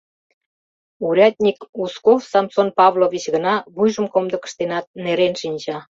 Урядник Узков Самсон Павлович гына, вуйжым комдык ыштенат, нерен шинча.